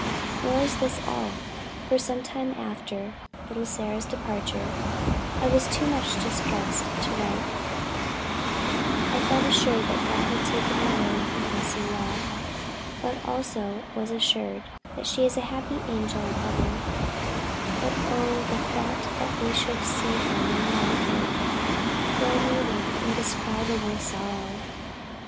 Nor is this all for some time after little Sarah's departure, I was too much distressed to write; I felt assured that God had taken her away from us in love, and was also assured, that she is a happy angel in heaven; but oh the thought that we should see her no more on earth, filled me with indescribable sorrow.